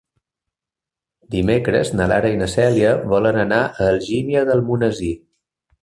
Dimecres na Lara i na Cèlia volen anar a Algímia d'Almonesir.